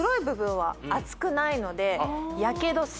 はい